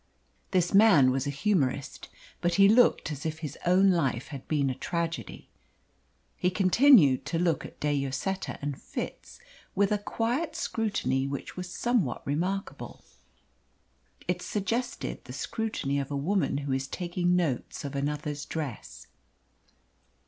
This man was a humorist, but he looked as if his own life had been a tragedy. He continued to look at De Lloseta and Fitz with a quiet scrutiny which was somewhat remarkable. It suggested the scrutiny of a woman who is taking notes of another's dress.